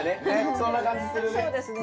そんな感じするね。